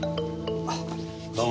どうも。